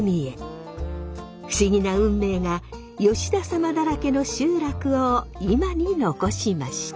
不思議な運命が吉田サマだらけの集落を今に残しました。